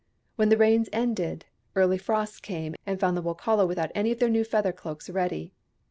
When the rains ended, early frosts came, and found the Wokala without any of their new feather cloaks ready.